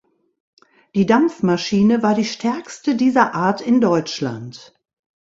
Die Dampfmaschine war die stärkste dieser Art in Deutschland.